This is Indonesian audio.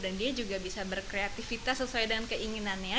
dan dia juga bisa berkreativitas sesuai dengan keinginannya